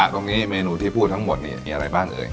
ตรงนี้เมนูที่พูดทั้งหมดมีอะไรบ้างเอ่ย